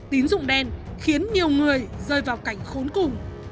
tín dụng đen khiến nhiều người rơi vào cảnh khốn cùng